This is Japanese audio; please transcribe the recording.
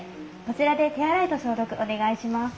こちらで手洗いと消毒お願いします。